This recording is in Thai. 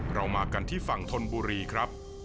เรามากันที่ฝั่งธนบุรีครับ